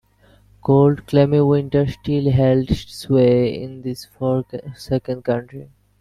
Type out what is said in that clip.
Cold, clammy winter still held sway in this forsaken country.